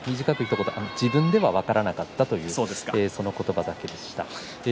自分でも分からなかったとその言葉だけでした。